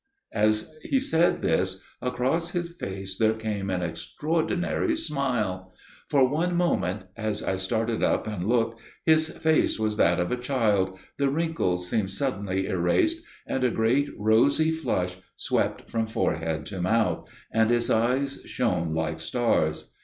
As he said this across his face there came an extraordinary smile; for one moment, as I started up and looked, his face was that of a child, the wrinkles seemed suddenly erased, and a great rosy flush swept from forehead to mouth, and his eyes shone like stars.